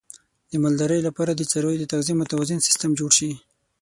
د مالدارۍ لپاره د څارویو د تغذیې متوازن سیستم جوړ شي.